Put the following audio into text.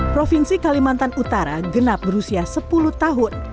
provinsi kalimantan utara genap berusia sepuluh tahun